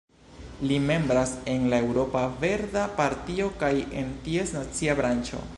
Li membras en la Eŭropa Verda Partio kaj en ties nacia branĉo.